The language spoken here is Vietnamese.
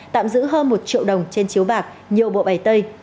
tạm giữ hơn một triệu đồng trên chiếu bạc nhiều bộ bài tay